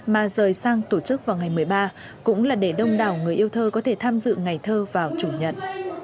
mà rời sang tổ chức vào ngày một mươi ba cũng là để đông đảo người yêu thơ có thể tham dự ngày thơ vào chủ nhật